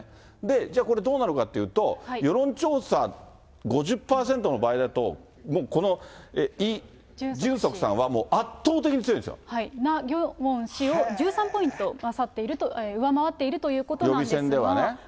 じゃあこれどうなるかというと、世論調査５０％の場合だと、もうこのイ・ジュンソクさんはもう圧倒的に強いんナ・ギョンウォン氏を１３ポイント上回っているということなんですが。